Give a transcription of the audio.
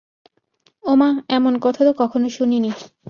ওমা এমন কথা তো কখনও শুনিনি!